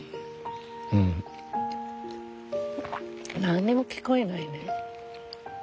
何にも聞こえないね。